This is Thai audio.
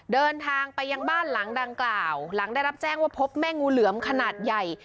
เดินทางไปยังบ้านหลังดังกล่าวหลังได้รับแจ้งว่าพบแม่งูเหลือมขนาดใหญ่